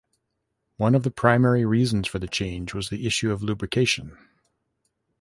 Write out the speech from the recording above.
One of the primary reasons for the change was the issue of lubrication.